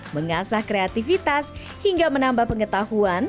mengasah kreativitas hingga menambah pengetahuan